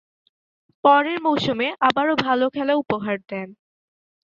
পরের মৌসুমে আবারো ভালো খেলা উপহার দেন।